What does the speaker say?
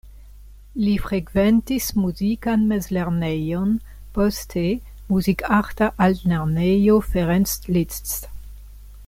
Li frekventis muzikan mezlernejon, poste Muzikarta Altlernejo Ferenc Liszt.